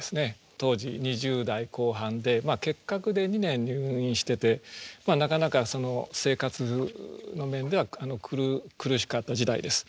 当時２０代後半で結核で２年入院しててなかなか生活の面では苦しかった時代です。